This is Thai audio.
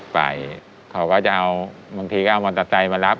ไปเขาก็จะเอาบางทีก็เอามอเตอร์ไซค์มารับ